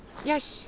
よし！